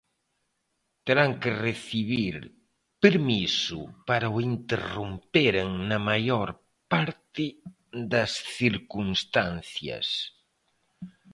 Terán que recibir permiso para o interromperen na maior parte das circunstancias.